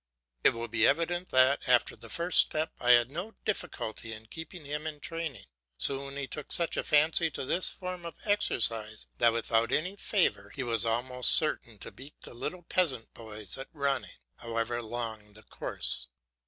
It will be evident that, after the first step, I had no difficulty in keeping him in training. Soon he took such a fancy for this form of exercise that without any favour he was almost certain to beat the little peasant boys at running, however long the course.